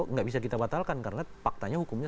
nggak bisa kita batalkan karena faktanya hukumnya